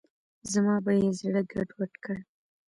زما به یې زړه ګډوډ کړ.